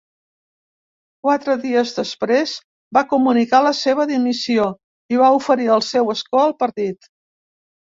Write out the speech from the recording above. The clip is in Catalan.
Quatre dies després va comunicar la seva dimissió i va oferir el seu escó al partit.